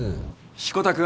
志子田君？